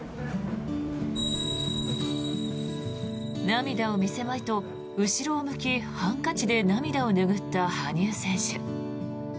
涙を見せまいと後ろを向きハンカチで涙を拭った羽生選手。